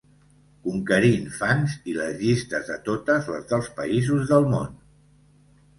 Conquerint fans i les llistes de totes les dels països del món.